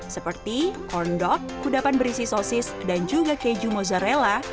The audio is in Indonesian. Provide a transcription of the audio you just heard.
seperti korndok kudapan berisi sosis dan juga keju mozzarella